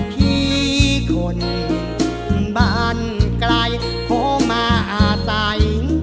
ที่คนบ้านไกลโทมะใส่